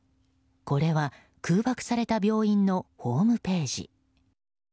これは空爆された病院のホームページ。